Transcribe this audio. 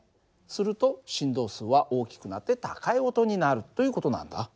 すると振動数は大きくなって高い音になるという事なんだ。